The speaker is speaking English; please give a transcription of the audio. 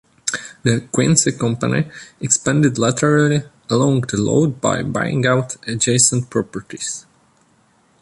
The Quincy company expanded laterally along the lode by buying out adjacent properties.